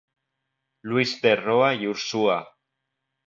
Luis de Roa y Ursúa.